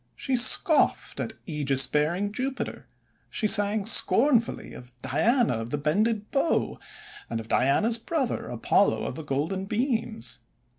She scoffed at aegis bearing Jupiter; she sang scornfully of Diana of the Bended Bow and of Diana's brother, Apollo of the Golden Beams.